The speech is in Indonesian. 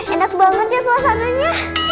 indah banget ya suasananya